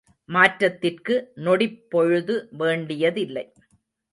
மாற்றத்திற்கு நொடிப்பொழுது வேண்டியதில்லை.